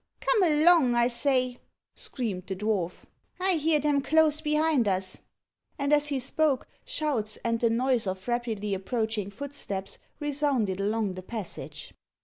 "Come along, I say," screamed the dwarf. "I hear them close behind us." And as he spoke, shouts, and the noise of rapidly approaching footsteps, resounded along the passage.